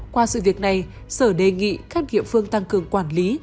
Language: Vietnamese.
qua sự việc này sở đề nghị các địa phương tăng cường quản lý